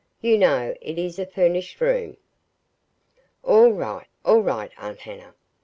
You know it is a FURNISHED room." "All right, all right, Aunt Hannah.